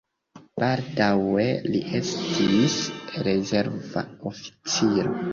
Baldaŭe li estis rezerva oficiro.